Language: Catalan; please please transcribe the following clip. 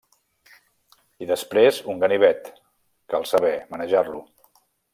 I després, un ganivet, cal saber manejar-lo.